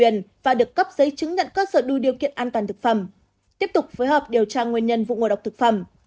nhận cơ sở đu điều kiện an toàn thực phẩm tiếp tục phối hợp điều tra nguyên nhân vụ ngộ độc thực phẩm